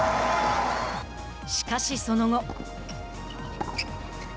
しかし、その後。